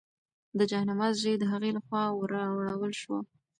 د جاینماز ژۍ د هغې لخوا ورواړول شوه.